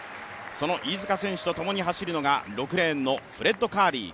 その飯塚選手と共に走るのが６レーンのフレッド・カーリー。